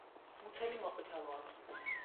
მუცელი მოყვითალო აქვს.